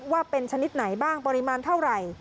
ว่าเป็นชนิดไหนบ้างปริมาณเท่าไหร่